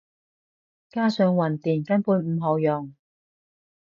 加上混電根本唔好用